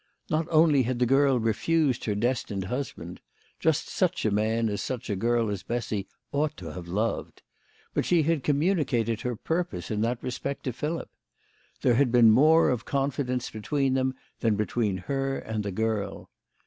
Not only had the girl refused her destined husband just such a man as such a girl as Bessy ought to have loved but she had communicated her purpose in that respect to Philip. There had been more of confidence between them than between her and the girl.